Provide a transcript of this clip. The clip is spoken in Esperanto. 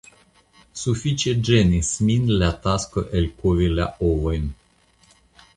Sufiĉe ĝenis min la tasko elkovi la ovojn.